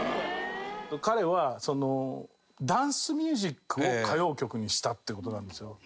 彼はダンスミュージックを歌謡曲にしたっていう事なんですよ。